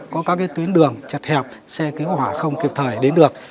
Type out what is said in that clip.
có các tuyến đường chật hẹp xe cứu hỏa không kịp thời đến được